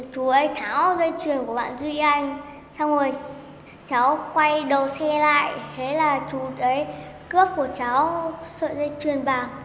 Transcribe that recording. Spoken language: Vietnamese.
chú ấy tháo dây chuyền của bạn duy anh xong rồi cháu quay đầu xe lại thế là chú đấy cướp của cháu sợi dây chuyền bạc